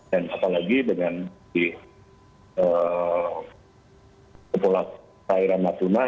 dan apalagi dengan di kepulauan airan matuna